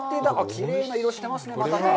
きれいな色してますね。